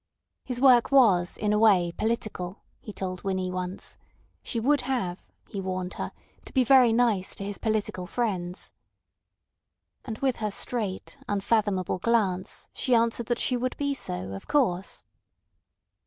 His work was in a way political, he told Winnie once. She would have, he warned her, to be very nice to his political friends. And with her straight, unfathomable glance she answered that she would be so, of course.